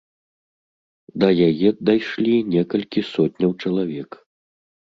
Да яе дайшлі некалькі сотняў чалавек.